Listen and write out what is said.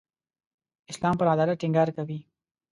اسلام پر عدالت ټینګار کوي.